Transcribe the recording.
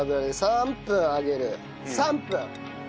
３分！